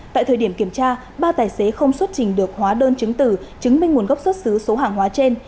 tại thời điểm kiểm tra ba tài xế không xuất trình được hóa đơn chứng tử chứng minh nguồn gốc xuất xứ số hàng hóa trên